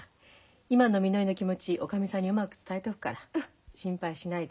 今のみのりの気持ちおかみさんにうまく伝えとくから心配しないで。